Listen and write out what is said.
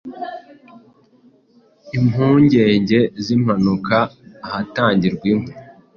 impungenge z’impanuka ahatangirwa inkwi